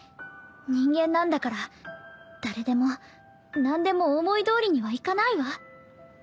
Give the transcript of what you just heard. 人間なんだから誰でも何でも思いどおりにはいかないわ。